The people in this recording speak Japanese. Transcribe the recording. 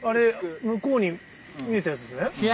向こうに見えたやつですね。